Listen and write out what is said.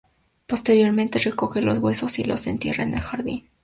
Posteriormente, recoge los huesos y los entierra en el jardín.